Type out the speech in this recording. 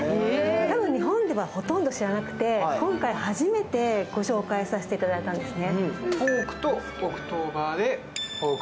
まだ日本ではほとんど知らなくて今回初めてご紹介させていただいたんですね。